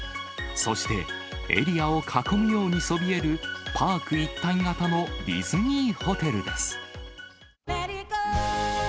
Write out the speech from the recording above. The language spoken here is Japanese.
そして、エリアを囲むようにそびえるパーク一体型のディズニーホテルです。